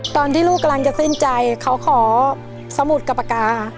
ตอนที่ลูกกำลังจะสิ้นใจเขาขอสมุดกับปากกา